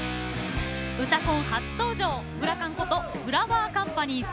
「うたコン」初登場フラカンことフラワーカンパニーズ。